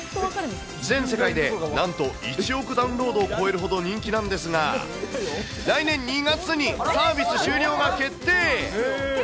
全世界でなんと１億ダウンロードを超えるほど人気なんですが、来年２月にサービス終了が決定。